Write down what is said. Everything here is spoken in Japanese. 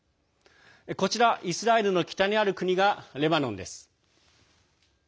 こちら、イスラエルの北にある国がレバノンです。